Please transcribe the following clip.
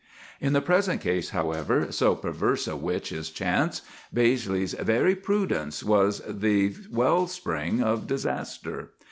"In the present case, however,—so perverse a witch is chance,—Baizley's very prudence was the well spring of disaster.